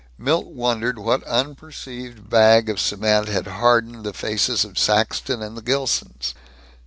Milt wondered what unperceived bag of cement had hardened the faces of Saxton and the Gilsons.